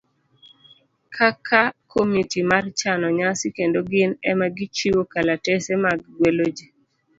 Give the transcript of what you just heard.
kaka komiti mar chano nyasi kendo gin ema gichiwo kalatese mag gwelo ji